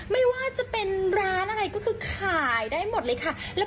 ไม่ว่าจะเป็นร้านอะไรก็คือขายได้หมดเลยค่ะ